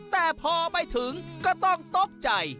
แต่พอไปถึงก็ต้องตกใจ